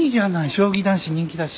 将棋男子人気だし。